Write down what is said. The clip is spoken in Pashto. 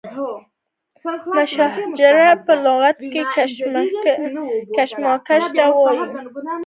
مشاجره په لغت کې کشمکش ته وایي.